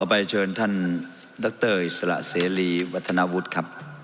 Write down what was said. ไปเชิญท่านดรอิสระเสรีวัฒนาวุฒิครับ